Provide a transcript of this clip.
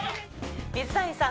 水谷さん